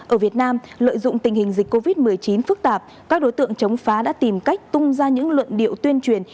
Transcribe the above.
ở việt nam lợi dụng tình hình dịch covid một mươi chín phức tạp các đối tượng chống phá đã tìm cách tung ra những luận điệu tuyên truyền